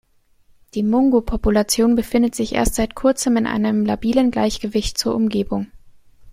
Die Mungo-Population befindet sich erst seit kurzem in einem labilen Gleichgewicht zur Umgebung.